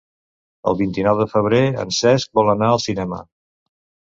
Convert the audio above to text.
El vint-i-nou de febrer en Cesc vol anar al cinema.